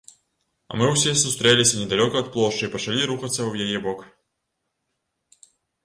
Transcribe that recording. А мы ўсе сустрэліся недалёка ад плошчы і пачалі рухацца ў яе бок.